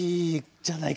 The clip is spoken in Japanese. じゃないか！